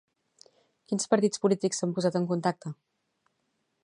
Quins partits polítics s'han posat en contacte?